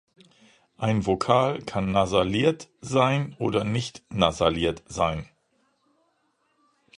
Ein Vokal kann nasalisiert sein oder nicht nasalisiert sein.